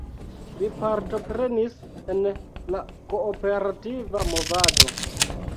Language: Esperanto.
Li partoprenis en la kooperativa movado.